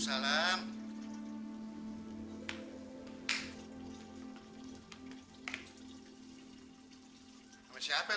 eh anak gadis gak baik jalan sendirian